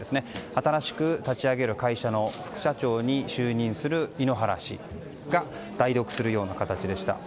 新しく立ち上げる会社の副社長に就任する井ノ原氏が代読するような形でした。